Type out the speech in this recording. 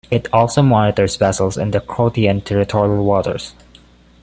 It also monitors vessels in the Croatian territorial waters.